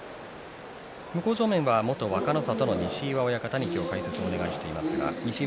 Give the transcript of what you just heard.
向正面は元若の里の西岩親方に今日、解説をお願いしています。